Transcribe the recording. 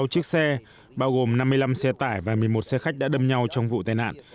hai mươi chiếc xe bao gồm năm mươi năm xe tải và một mươi một xe khách đã đâm nhau trong vụ tai nạn